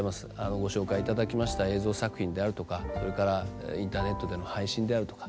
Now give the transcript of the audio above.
ご紹介いただきました映像作品であるとかそれからインターネットでの配信であるとか。